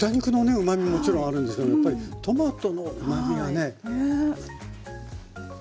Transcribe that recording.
うまみももちろんあるんですけどもやっぱりトマトのうまみがね。